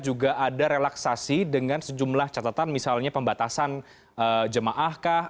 juga ada relaksasi dengan sejumlah catatan misalnya pembatasan jemaah kah